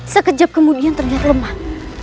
sekejap kemudian terlihat lemah